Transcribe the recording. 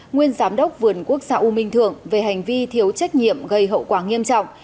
nguyên giám đốc vườn quốc gia u minh thượng về hành vi thiếu trách nhiệm gây hậu quả nghiêm trọng